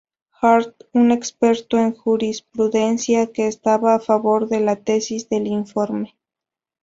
Hart un experto en jurisprudencia que estaba a favor de la tesis del informe.